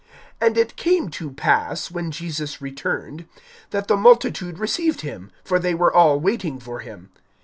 (40)And it came to pass, when Jesus returned, that the multitude received him; for they were all waiting for him.